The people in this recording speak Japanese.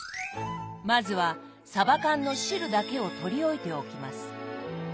まずはさば缶の汁だけを取り置いておきます。